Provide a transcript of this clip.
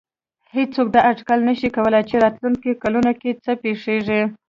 هېڅوک دا اټکل نه شي کولای چې راتلونکو کلونو کې څه پېښېږي.